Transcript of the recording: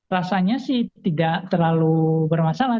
rasanya sih tidak terlalu bermasalah